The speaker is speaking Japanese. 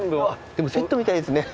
セットみたいですね。